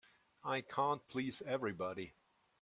I can't please everybody.